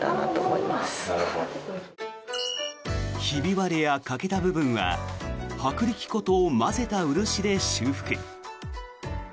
ひび割れや欠けた部分は薄力粉と混ぜた漆で修復。